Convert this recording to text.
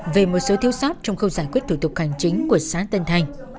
về một số thiếu sót trong khâu giải quyết thủ tục hành chính của xã tân thành